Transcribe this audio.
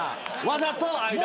わざと間。